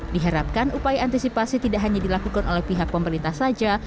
diharapkan upaya antisipasi tidak hanya dilakukan oleh pihak pemerintah saja